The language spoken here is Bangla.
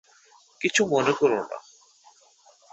কিছু মনে করো না!